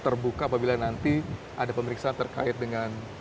terbuka apabila nanti ada pemeriksaan terkait dengan